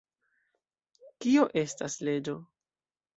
Kio estas leĝo?